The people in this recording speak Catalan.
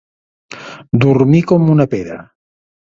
Dormir com una pedra.